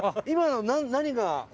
今のは何が？